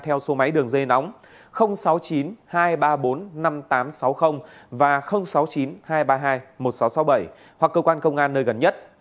theo số máy đường dây nóng sáu mươi chín hai trăm ba mươi bốn năm nghìn tám trăm sáu mươi và sáu mươi chín hai trăm ba mươi hai một nghìn sáu trăm sáu mươi bảy hoặc cơ quan công an nơi gần nhất